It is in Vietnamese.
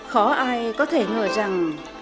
khó ai có thể ngờ rằng